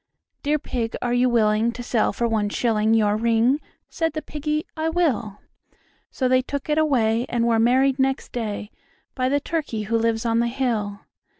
"Dear Pig, are you willing to sell for one shilling Your ring?" Said the Piggy, "I will." So they took it away, and were married next day By the Turkey who lives on the hill.